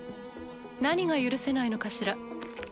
何が許せないのかしら？